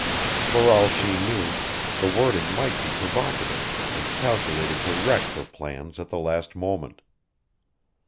For all she knew the wording might be provocative and calculated to wreck her plans at the last moment.